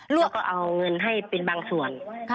ลูกก็เอาเงินให้เป็นบางส่วน